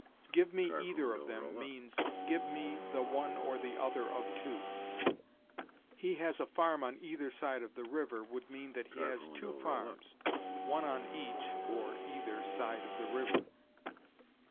"Give me either of them" means, Give me the one or the other of two. "He has a farm on either side of the river" would mean that he has two farms, one on each (or either) side of the river.